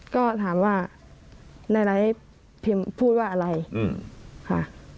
ก็ถามว่าในไลท์พิมพ์พูดว่าอะไรค่ะ